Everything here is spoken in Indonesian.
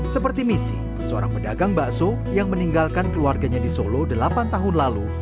seperti misi seorang pedagang bakso yang meninggalkan keluarganya di solo delapan tahun lalu